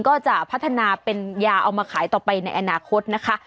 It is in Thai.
ก็จะพัฒนาเป็นยาเอามาขายต่อไปในอนาคตนะคะ